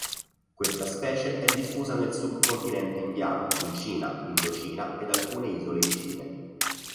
Questa specie è diffusa nel Subcontinente indiano, in Cina, Indocina ed alcune isole vicine.